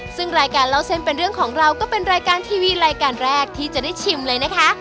ซึ่งรายการเล่าเส้นเป็นเรื่องของเราก็เป็นรายการทีวีรายการแรกที่จะได้ชิมเลยนะคะ